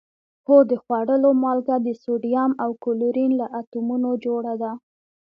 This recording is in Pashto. هو د خوړلو مالګه د سوډیم او کلورین له اتومونو جوړه ده